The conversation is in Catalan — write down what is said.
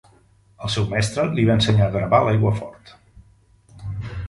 El seu mestre li va ensenyar a gravar a l'aiguafort.